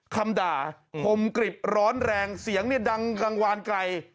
คำด่าผมกริบร้อนแรงเสียงดังวานไกล